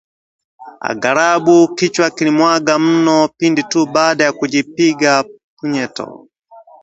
Aghalabu, kichwa kiliniwanga mno pindi tu baada ya kujipiga punyeto